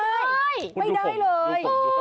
ไม่ได้เลย